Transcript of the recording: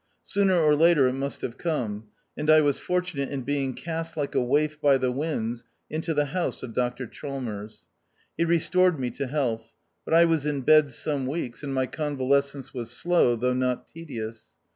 Sooner or later it must have come ; and I was fortunate in being cast like a waif by the winds into the house of Dr Chalmers. He restored me to health ; but I was in bed some weeks, and my con valescence was slow, though not tedious.